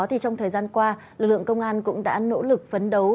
trong thời gian qua lực lượng công an cũng đã nỗ lực phấn đấu